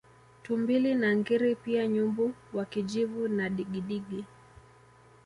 Tumbili na ngiri pia nyumbu wa kijivu na Digidigi